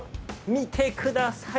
見てください。